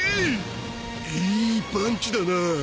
いいパンチだなぁ！